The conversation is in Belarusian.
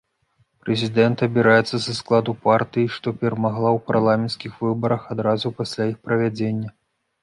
Прэзідэнт абіраецца са складу партыі, што перамагла ў парламенцкіх выбарах адразу пасля іх правядзення.